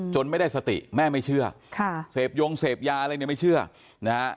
ไม่ได้สติแม่ไม่เชื่อค่ะเสพยงเสพยาอะไรเนี่ยไม่เชื่อนะฮะ